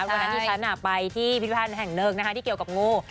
เมื่อกี้ฉันไปที่พิพันธ์แห่งเนิกที่เกี่ยวกับงู